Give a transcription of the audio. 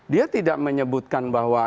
dia tidak menyebutkan bahwa